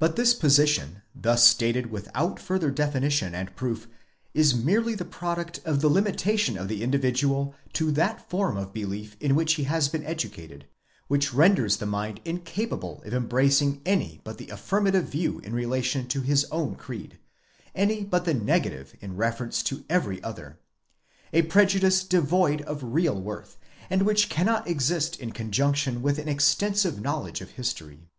But this position, thus stated without further definition and proof, is merely the product of the limitation of the individual to that form of belief in which he has been educated, which renders the mind incapable of embracing any but the affirmative view in relation to its own creed, any but the negative in reference to every other—a prejudice devoid of real worth, and which cannot exist in conjunction with an extensive knowledge of history.